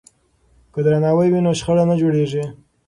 که درناوی وي نو شخړه نه جوړیږي.